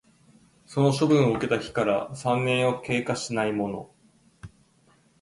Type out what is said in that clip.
その処分を受けた日から三年を経過しないもの